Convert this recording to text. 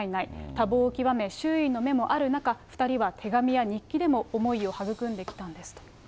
多忙を極め、周囲の目もある中、２人は手紙や日記でも思いを育んできたんですと。